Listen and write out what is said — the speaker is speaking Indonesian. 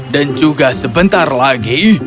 dan juga sebentar lagi